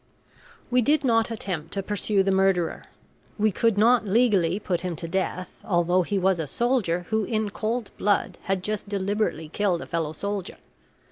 We did not attempt to pursue the murderer. We could not legally put him to death, although he was a soldier who in cold blood had just deliberately killed a fellow soldier.